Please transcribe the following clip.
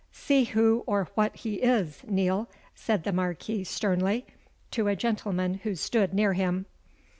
"See who or what he is, Neal," said the Marquis sternly, to a gentleman who stood near him.